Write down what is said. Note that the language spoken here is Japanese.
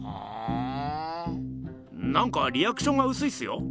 なんかリアクションがうすいっすよ？